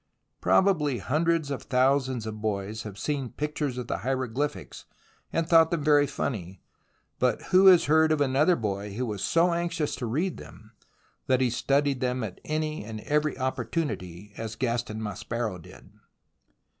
Probably hundreds of thousands of boys have seen pictures of the hieroglyphics and thought them very funny, but who has heard of another boy who was so anxious to read them that he studied them at any and every opportunity, as Gaston Maspero did